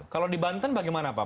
kalau di banten bagaimana pak